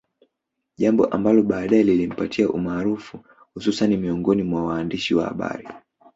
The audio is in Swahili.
Jambo ambalo baadae lilimpatia umaarufu hususan miongoni mwa waandishi wa habari